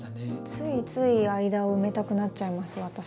ついつい間を埋めたくなっちゃいます私は。